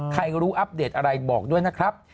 ใครรู้อัปเดตอะไรบอกด้วยนะครับ